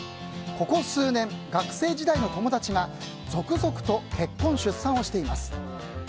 ここ数年、学生時代の友達が続々と結婚・出産をしています。